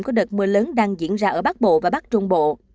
của đợt mưa lớn đang diễn ra ở bắc bộ và bắc trung bộ